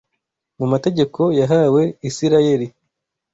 Mu mategeko yahawe Isirayeli